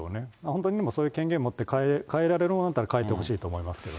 本当にそういう権限持って変えられるのだったら変えてほしいと思